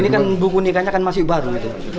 ini kan buku nikahnya kan masih baru